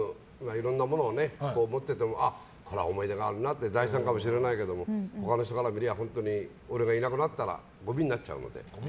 いろんなものとか持っていてもこれは思い出があるなって財産かもしれないけど他の人からしてみれば俺がいなくなったらごみになっちゃうので。